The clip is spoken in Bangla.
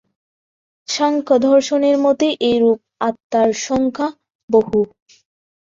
সাংখ্যদর্শনের মতে এরূপ আত্মার সংখ্যা বহু।